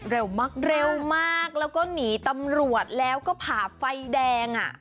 เร็วมากเร็วมากแล้วก็หนีตำรวจแล้วก็ผ่าไฟแดงอ่ะ